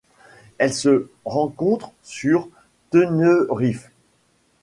Elle se rencontre sur Tenerife.